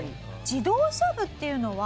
自動車部っていうのは？